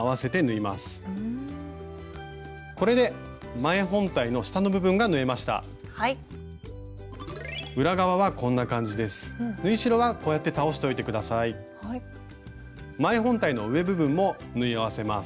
前本体の上部分も縫い合わせます。